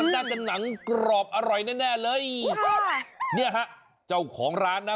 มันได้เป็นหนังกรอบอร่อยแน่แน่เลยว้าวเนี่ยฮะเจ้าของร้านน่ะ